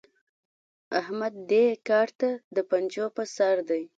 احمد دې کار ته د پنجو پر سر دی.